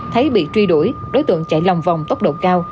thấy bị truy đuổi đối tượng chạy lòng vòng tốc độ cao